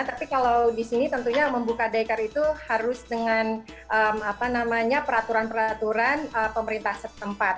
tapi kalau di sini tentunya membuka daycare itu harus dengan peraturan peraturan pemerintah setempat